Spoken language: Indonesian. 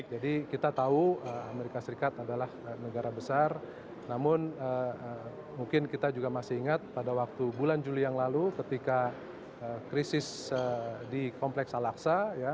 jadi kita tahu amerika serikat adalah negara besar namun mungkin kita juga masih ingat pada waktu bulan juli yang lalu ketika krisis di kompleks al aqsa